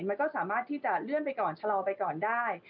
มันก็สามารถที่จะเลื่อนไปก่อนชะลอไปก่อนได้